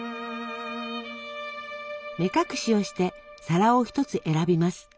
目隠しをして皿を１つ選びます。